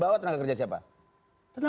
saya tidak mau bertanya setidaknya